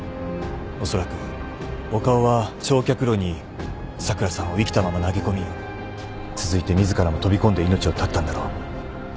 おそらく岡尾は焼却炉に咲良さんを生きたまま投げ込み続いて自らも飛び込んで命を絶ったんだろう。